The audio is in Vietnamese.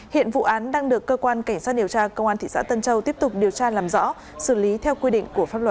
hiện vụ án đang được cơ quan cảnh sát điều tra công an thị xã tân châu tiếp tục điều tra làm rõ xử lý theo quy định của pháp luật